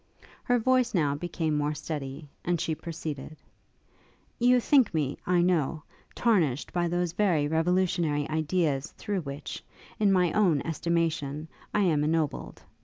Her voice now became more steady, and she proceeded. 'You think me, I know, tarnished by those very revolutionary ideas through which, in my own estimation, I am ennobled.